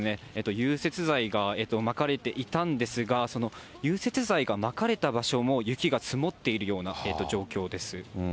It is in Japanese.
融雪剤がまかれていたんですが、融雪剤がまかれた場所も雪が積もっているような状況です。